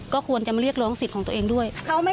ก็ควรจะมาเรียกร้องสิทธิ์ของตัวเองด้วย